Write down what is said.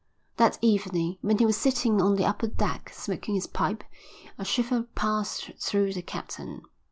That evening, when he was sitting on the upper deck, smoking his pipe, a shiver passed through the captain.